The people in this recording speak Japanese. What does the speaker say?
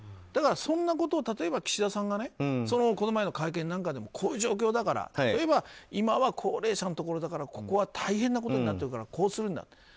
だから、そんなことを岸田さんがこの前の会見でもこういう状況だからといえば今は高齢者のところだからここは大変なことになってるからこうするんだと。